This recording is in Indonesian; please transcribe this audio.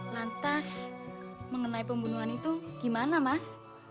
lantas mengenai pembunuhan itu gimana mas